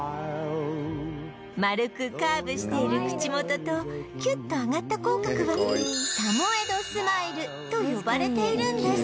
丸くカーブしている口元とキュッと上がった口角はサモエドスマイルと呼ばれているんです